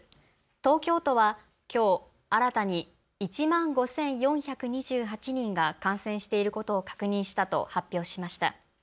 東京都は、きょう新たに１万５４２８人が感染していることを確認したと発表しました。